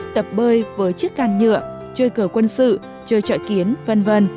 tập bơi với chiếc can nhựa chơi cờ quân sự chơi trợ kiến v v